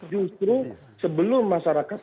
justru sebelum masyarakat